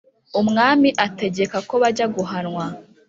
Umwami ategeka ko bajya guhanwa